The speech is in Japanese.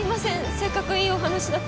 せっかくいいお話だったのに。